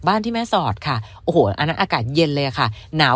ที่แม่สอดค่ะโอ้โหอันนั้นอากาศเย็นเลยค่ะหนาว